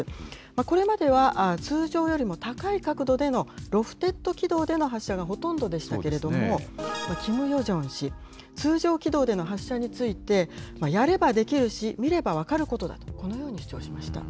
これまでは通常よりも高い角度でのロフテッド軌道での発射がほとんどでしたけれども、キム・ヨジョン氏、通常軌道での発射について、やればできるし、見れば分かることだと、このように主張しました。